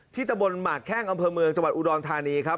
ตะบนหมากแข้งอำเภอเมืองจังหวัดอุดรธานีครับ